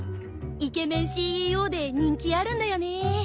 イケメンＣＥＯで人気あるんだよねぇ。